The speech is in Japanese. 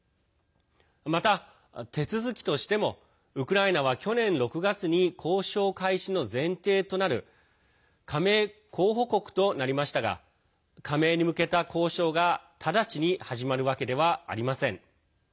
また、手続きとしてもウクライナは去年６月に交渉開始の前提となる加盟候補国となりましたが加盟に向けた交渉が直ちに始まるわけではありません。